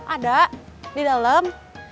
ada di dalam